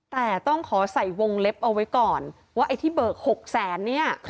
แต่ต้องขอใส่วงเล็บเอาไว้ก่อนว่าไอ้ที่เบิก๖แสนเนี่ย